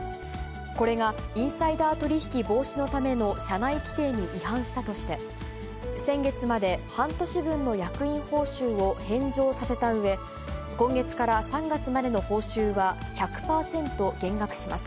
これがインサイダー取り引き防止のための社内規定に違反したとして、先月まで半年分の役員報酬を返上させたうえ、今月から３月までの報酬は１００％減額します。